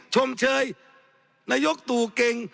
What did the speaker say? ชมเชยนายกตู่เก่ง